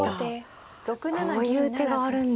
こういう手があるんですね。